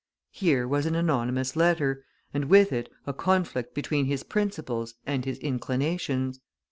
Here was an anonymous letter, and with it a conflict between his principles and his inclinations.